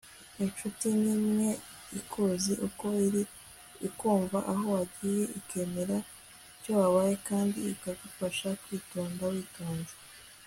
inshuti ni imwe ikuzi uko uri, ikumva aho wagiye, ikemera icyo wabaye, kandi ikagufasha kwitonda witonze